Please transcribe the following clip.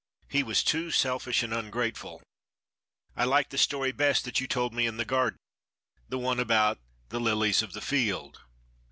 He was too selfish and ungrateful. I like the story best that you told me in the garden, the one about the 'lilies of the field.